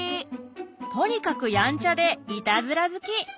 とにかくやんちゃでイタズラ好き。